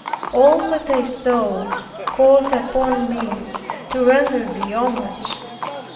All that I saw called upon me to render Thee homage.